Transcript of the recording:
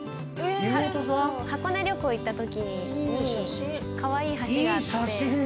箱根旅行行ったときにカワイイ橋があって。